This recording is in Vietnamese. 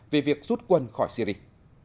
về việc rút quân khỏi syria